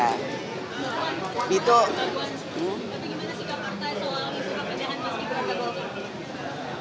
bagaimana sikap partai soal isu kepenjahan mas gibran